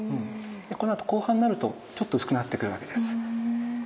このあと後半になるとちょっと薄くなってくるわけです。